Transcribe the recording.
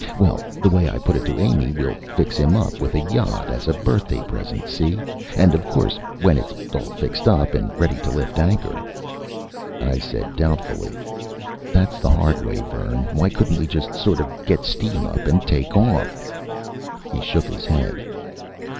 Well, the way I put it to Amy, we'll fix him up with a yacht as a birthday present, see? And, of course, when it's all fixed up and ready to lift anchor " I said doubtfully: "That's the hard way, Vern. Why couldn't we just sort of get steam up and take off?" He shook his head.